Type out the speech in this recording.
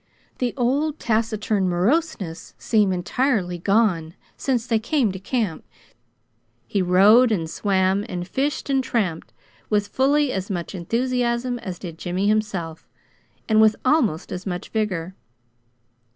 The old taciturn moroseness seemed entirely gone since they came to camp. He rowed and swam and fished and tramped with fully as much enthusiasm as did Jimmy himself, and with almost as much vigor.